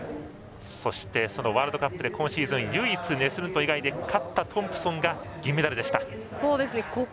そして、ワールドカップで今シーズン唯一ネスルント以外で勝ったトンプソンが銀メダルでした。